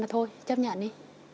thôi chấp nhận đi